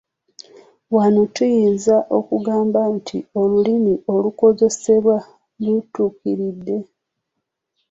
Wano tuyinza okugamba nti olulimi olukozesebwa lutuukiridde.